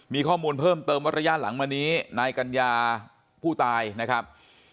มีข้อมูลเพิ่มเติมว่าระยะหลังมานี้นายกัญญาผู้ตายนะครับ